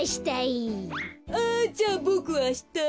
あじゃあボクあした。